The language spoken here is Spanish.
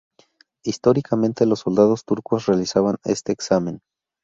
Históricamente, los soldados turcos realizaban este examen.